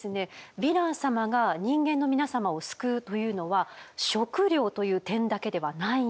ヴィラン様が人間の皆様を救うというのは食料という点だけではないんです。